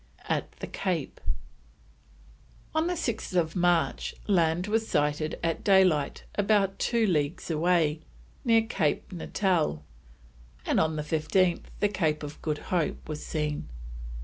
AT THE CAPE. On 6th March land was sighted at daylight, about two leagues away, near Cape Natal, and on the 15th the Cape of Good Hope was seen.